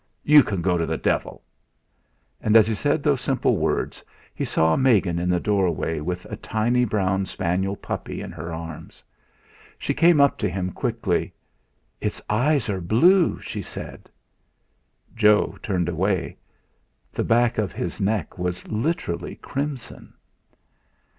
"You can go to the devil!" And as he said those simple words, he saw Megan in the doorway with a tiny brown spaniel puppy in her arms. She came up to him quickly: "Its eyes are blue!" she said. Joe turned away; the back of his neck was literally crimson.